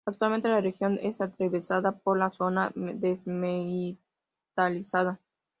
Actualmente, la región es atravesada por la Zona Desmilitarizada.